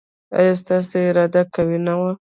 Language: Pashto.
ایا ستاسو اراده قوي نه ده؟